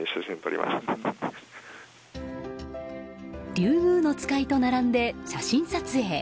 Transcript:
リュウグウノツカイと並んで写真撮影。